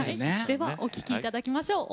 ではお聴き頂きましょう。